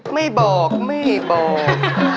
ไม่บอกไม่บอก